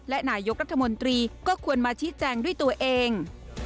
และนายกรัฐมนตรีก็ควรมาชี้แจงด้วยตัวเอง